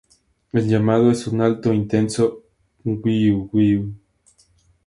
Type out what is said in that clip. El llamado es un alto e intenso "wi-u wi-u".